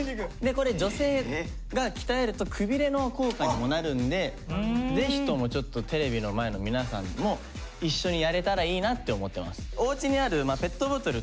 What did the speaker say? これ女性が鍛えるとぜひともちょっとテレビの前の皆さんも一緒にやれたらいいなって思ってます。